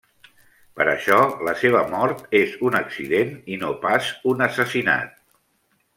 Per això la seva mort és un accident, i no pas un assassinat.